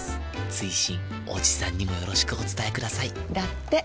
追伸おじさんにもよろしくお伝えくださいだって。